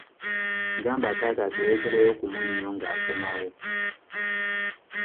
Gamba taata atuleetereyo ku munnyo nga akomawo.